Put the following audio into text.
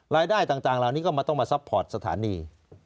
รายได้ต่างเหล่านี้ก็มาต้องมาซัพพอร์ตสถานี